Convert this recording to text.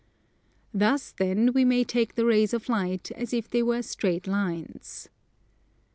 Thus then we may take the rays of light as if they were straight lines.